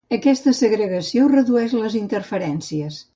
Aquesta segregació redueix les interferències.